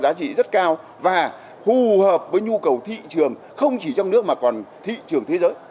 giá trị rất cao và hù hợp với nhu cầu thị trường không chỉ trong nước mà còn thị trường thế giới